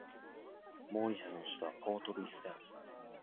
モーリシャスの首都はポートルイスである